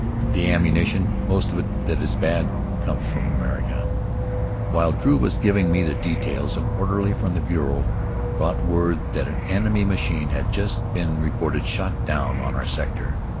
The ammunition, most of it that is bad, comes from America. While Drew was giving me the details, an orderly from the bureau brought word that an enemy machine had just been reported shot down on our sector.